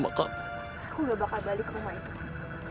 aku udah bakal balik ke rumah itu